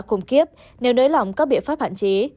cùng kiếp nếu nới lỏng các biện pháp hạn chế